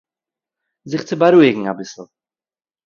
זיך צו בארואיגן אביסל